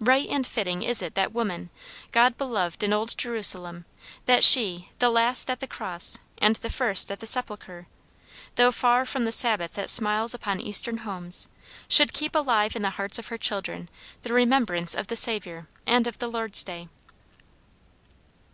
Right and fitting it is that woman, God beloved in old Jerusalem, that she, the last at the cross and the first at the sepulcher, though far from the Sabbath that smiles upon eastern homes, should keep alive in the hearts of her children the remembrance of the Saviour and of the Lord's day.